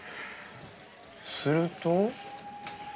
すると。